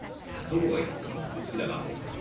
どこが気に入って好きだなと思った？